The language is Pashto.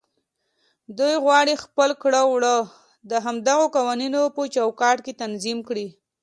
دوی غواړي خپل کړه وړه د همدغو قوانينو په چوکاټ کې تنظيم کړي.